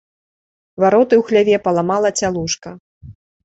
Вароты ў хляве паламала цялушка.